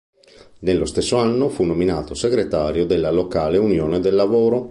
Nello stesso anno fu nominato segretario della locale Unione del Lavoro.